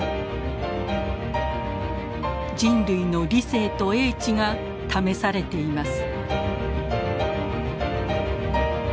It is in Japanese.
人類の理性と英知が試されています。